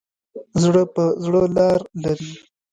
زړه په زړه لار لري.